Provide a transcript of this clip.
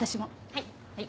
はい。